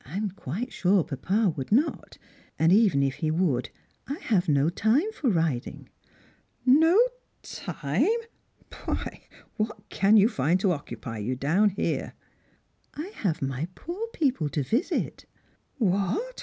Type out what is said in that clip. m qiaite sure papa would not; and even if he would, I have no time for riding." "No time! Why, what can you find to occupy you down here?" " I have my poor people to visit." " "What